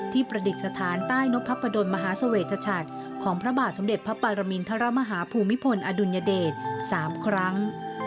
ประดิษฐานใต้นกพระประดนมหาเสวชชัดของพระบาทสมเด็จพระปรมินทรมาฮาภูมิพลอดุลยเดช๓ครั้ง